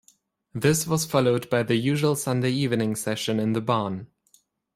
This was followed by the usual Sunday evening session in the Barn.